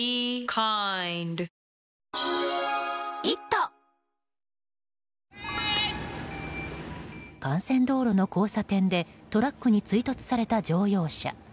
榎本さんは幹線道路の交差点でトラックに追突された乗用車。